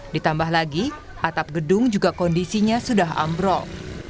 ditambah lagi atap gedung juga kondisinya sudah ambrol